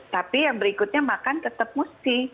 tapi yang berikutnya makan tetep mesti